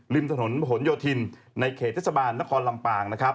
ริมถนนหนโยธินในเขตเจษบาลนครลำป่าง